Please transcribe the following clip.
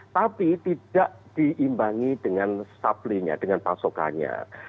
tapi tidak diimbangi dengan supply nya dengan pasokannya